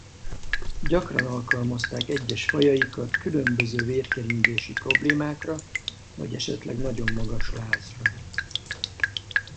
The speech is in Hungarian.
Gyakran alkalmazták egyes fajaikat különböző vérkeringési problémákra vagy esetleg nagyon magas lázra.